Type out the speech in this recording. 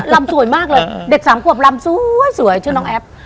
ำสวยมากเลยเด็กสามขวบลำสวยชื่อน้องแอฟ